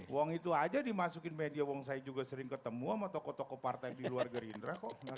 wong itu aja dimasukin media wong saya juga sering ketemu sama toko toko partai di luar gerindra kok